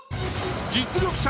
実力者